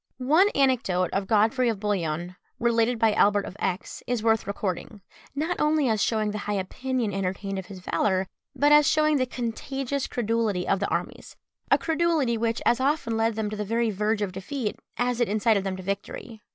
One anecdote of Godfrey of Bouillon, related by Albert of Aix, is worth recording, not only as shewing the high opinion entertained of his valour, but as shewing the contagious credulity of the armies a credulity which as often led them to the very verge of defeat, as it incited them to victory.